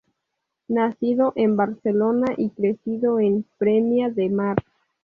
Nacido en Barcelona y crecido en Premiá de Mar.